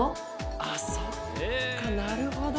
ああそっかなるほど！